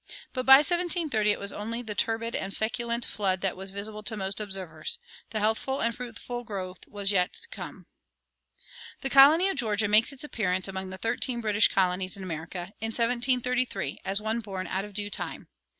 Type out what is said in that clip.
But by 1730 it was only the turbid and feculent flood that was visible to most observers; the healthful and fruitful growth was yet to come.[122:1] The colony of Georgia makes its appearance among the thirteen British colonies in America, in 1733, as one born out of due time.